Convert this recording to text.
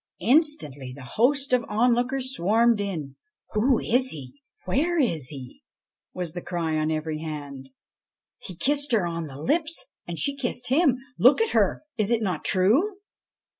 Instantly the host of onlookers swarmed in. ' Who is he ? Where is he ?' was the cry on every hand. ' He 69 IVAN AND THE CHESTNUT HORSE kissed her on the lips, and she kissed him. Look at herl Is it not true